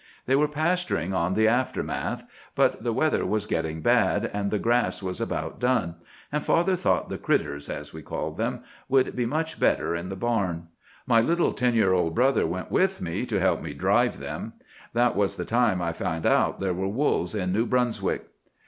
They were pasturing on the aftermath; but the weather was getting bad, and the grass was about done, and father thought the 'critters,' as we called them, would be much better in the barn. My little ten year old brother went with me, to help me drive them. That was the time I found out there were wolves in New Brunswick.